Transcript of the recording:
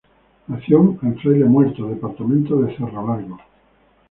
Nació en Fraile Muerto, departamento de Cerro Largo.